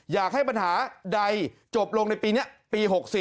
อยากให้ปัญหาใดจบลงในปีนี้ปี๖๔